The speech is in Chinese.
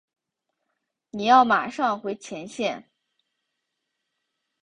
你要马上回前线。